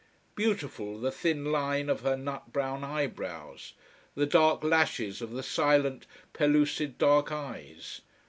Beautiful the thin line of her nut brown eyebrows, the dark lashes of the silent, pellucid dark eyes.